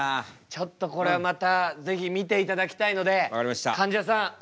ちょっとこれはまた是非見ていただきたいのでかんじゃさんお呼びします。